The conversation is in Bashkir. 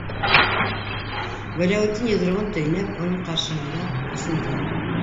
- Вәләүетдин, йоҙроғон төйнәп, уның ҡаршыһында осондо.